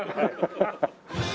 ハハハハ。